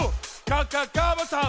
カカカバさん」